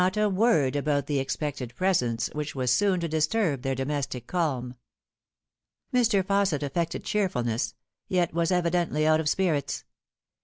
Not a word about the expected presence which was so soon to disturb their domestic calm. Mr. ffausset affected cheerfulness, yet was evidently out of spirits.